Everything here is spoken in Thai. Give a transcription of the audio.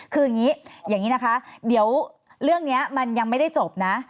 คืออย่างนี้อย่างนี้นะคะเดี๋ยวเรื่องนี้มันยังไม่ได้จบนะ